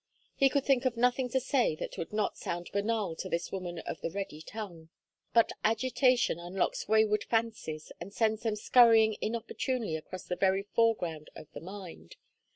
He could think of nothing to say that would not sound banal to this woman of the ready tongue. But agitation unlocks wayward fancies and sends them scurrying inopportunely across the very foreground of the mind.